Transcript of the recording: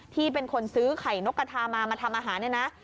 ที่เป็นคนซื้อไข่นกกระทามามาทำอาหารเนี่ยนะ